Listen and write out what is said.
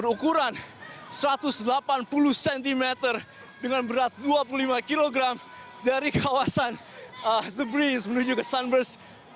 ukuran satu ratus delapan puluh cm dengan berat dua puluh lima kg dari kawasan the breeze menuju ke sunburst